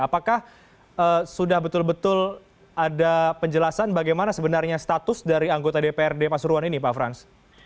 apakah sudah betul betul ada penjelasan bagaimana sebenarnya status dari anggota dprd pasuruan ini pak frans